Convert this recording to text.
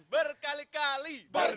ber kali kali ber